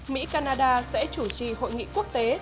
mỹ canada sẽ chủ trì hội nghị quốc tế